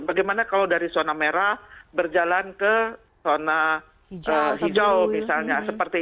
bagaimana kalau dari zona merah berjalan ke zona hijau misalnya